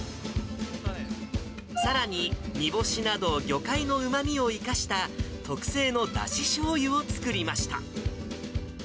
さらに煮干しなど、魚介のうまみを生かした特製の出ししょうゆを作りました。